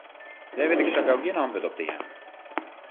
Dêr wit ik sa gau gjin antwurd op te jaan.